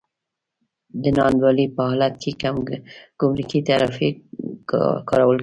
د نا انډولۍ په حالت کې ګمرکي تعرفې کارول کېږي.